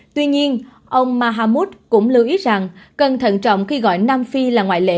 tuy nhiên ông mahammud cũng lưu ý rằng cần thận trọng khi gọi nam phi là ngoại lệ